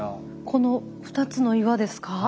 この２つの岩ですか？